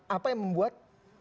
apa yang membuat